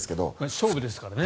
勝負ですからね。